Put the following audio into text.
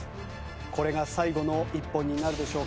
これが最後の１本になるでしょうか？